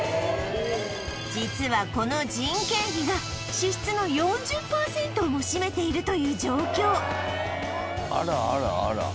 実はこの人件費が支出の４０％をも占めているという状況あらあらあら